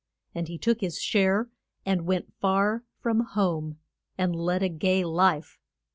And he took his share, and went far from home, and led a gay life.